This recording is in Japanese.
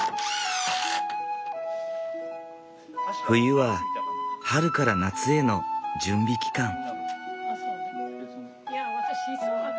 冬は春から夏への準備期間。